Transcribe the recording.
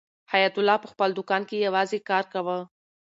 حیات الله په خپل دوکان کې یوازې کار کاوه.